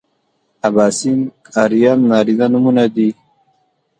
اباسین ارین نارینه نومونه دي